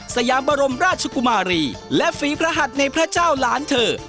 สยามบรมราชกุมารีและฝีพระหัสในพระเจ้าหลานเธอ